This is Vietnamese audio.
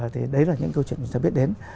thì đấy là những câu chuyện người ta biết đến